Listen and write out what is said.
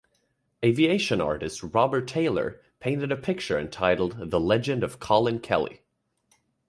Aviation artist Robert Taylor painted a picture entitled The Legend of Colin Kelly.